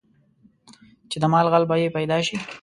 چې د مال غل به یې پیدا شي.